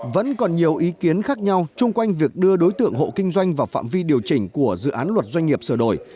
vẫn còn nhiều ý kiến khác nhau chung quanh việc đưa đối tượng hộ kinh doanh vào phạm vi điều chỉnh của dự án luật doanh nghiệp sửa đổi